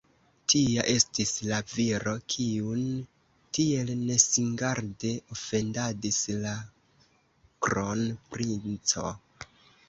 Tia estis la viro, kiun tiel nesingarde ofendadis la kronprinco.